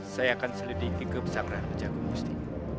saya akan selidiki kebesaran pejagung busti